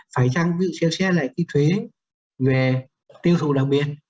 phải xem xét lại cái thuế về tiêu thụ đặc biệt